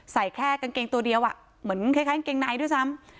แค่กางเกงตัวเดียวเหมือนคล้ายกางเกงในด้วยซ้ำ